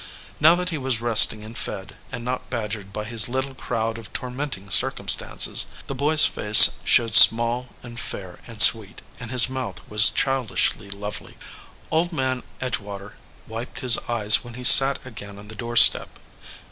Now that he was rest ing and fed, and not badgered by his little crowd of tormenting circumstances, the boy s face showed 118 THE FLOWERING BUSH small and fair and sweet, and his mouth was child ishly lovely. Old Man Edgewater wiped his eyes when he sat again on the door step.